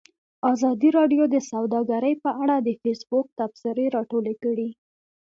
ازادي راډیو د سوداګري په اړه د فیسبوک تبصرې راټولې کړي.